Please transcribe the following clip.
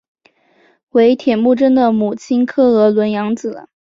为铁木真的母亲诃额仑养子。